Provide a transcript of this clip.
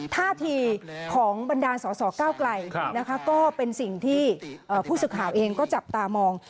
ท่าทีของบรรดาลสสเก้าไกลนะคะก็เป็นสิ่งที่ผู้สื่อข่าวเองก็จับตามอง